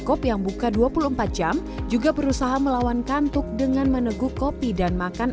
kopi yang buka dua puluh empat jam juga berusaha melawan kantuk dengan meneguk kopi dan makan